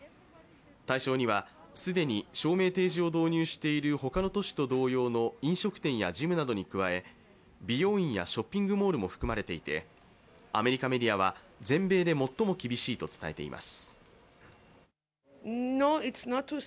対象には既に証明提示を導入している他の都市と同様の飲食店やジムなどに加え美容院やショッピングモールも含まれていてアメリカメディアは全米で最も厳しいと伝えています。